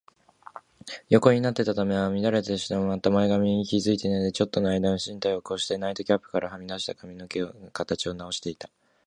横になっていたために乱れてしまった頭髪にまで気がついて、ちょっとのあいだ身体を起こし、ナイトキャップからはみ出た髪形をなおしていた。